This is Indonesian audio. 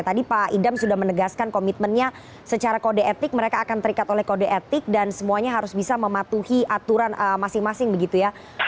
tadi pak idam sudah menegaskan komitmennya secara kode etik mereka akan terikat oleh kode etik dan semuanya harus bisa mematuhi aturan masing masing begitu ya